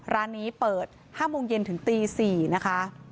ร้านนี้เปิด๕โมงเย็นถึงตี๔นะคะ